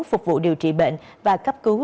phục vụ điều trị bệnh và cấp cứu